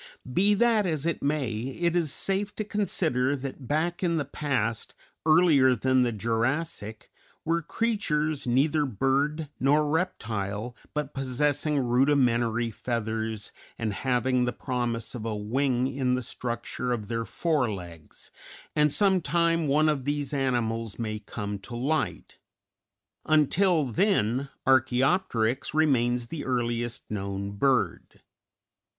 Be that as it may, it is safe to consider that back in the past, earlier than the Jurassic, were creatures neither bird nor reptile, but possessing rudimentary feathers and having the promise of a wing in the structure of their fore legs, and some time one of these animals may come to light; until then Archæopteryx remains the earliest known bird.